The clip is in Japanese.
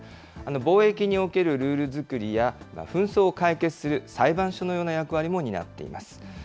貿易におけるルール作りや紛争を解決する裁判所のような役割も担っています。